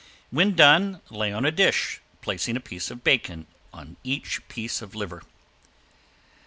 When done lay on a dish, placing a piece of bacon on each piece of liver.